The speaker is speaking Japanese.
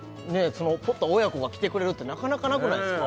そのポッター親子が来てくれるってなかなかなくないですか？